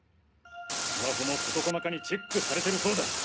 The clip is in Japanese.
スマホもこと細かにチェックされてるそうだ。